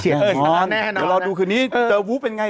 เดี๋ยวรอดูคืนนี้เจอวูบเป็นไง